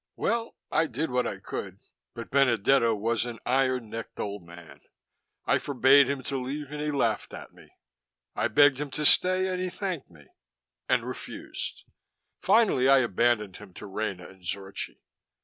Well, I did what I could; but Benedetto was an iron necked old man. I forbade him to leave and he laughed at me. I begged him to stay and he thanked me and refused. Finally I abandoned him to Rena and Zorchi.